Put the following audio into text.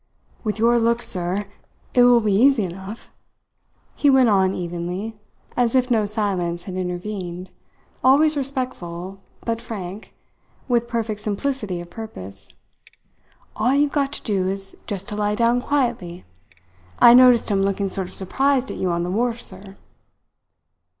"With your looks, sir, it will be easy enough," he went on evenly, as if no silence had intervened, always respectful, but frank, with perfect simplicity of purpose. "All you've got to do is just to lie down quietly. I noticed him looking sort of surprised at you on the wharf, sir."